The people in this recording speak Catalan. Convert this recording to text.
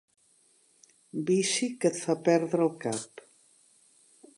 Vici que et fa perdre el cap.